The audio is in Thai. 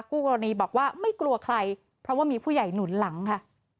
คู่กรณีบอกว่าไม่กลัวใครเพราะว่ามีผู้ใหญ่หนุนหลังค่ะ